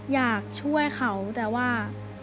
อยากช่วยเขาแต่ว่า